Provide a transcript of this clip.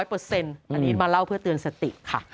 อันนี้มาเล่าเพื่อเตือนสติค่ะ